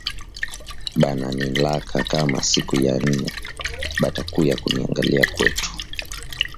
Bana nilaka kama siku ya ine batakuya kuniangalia kwetu